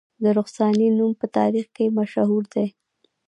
د رخسانې نوم په تاریخ کې مشهور دی